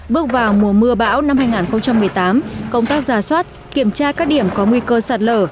bước vào mùa mưa bão năm hai nghìn một mươi tám công tác ra soát kiểm tra các điểm có nguy cơ sạt lở